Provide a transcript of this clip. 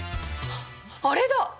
あれだ！